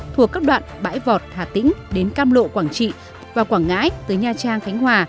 thuộc các đoạn bãi vọt hà tĩnh đến cam lộ quảng trị và quảng ngãi tới nha trang khánh hòa